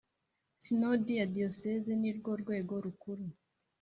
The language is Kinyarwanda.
Sinodi ya Diyoseze nirwo rwego rukuru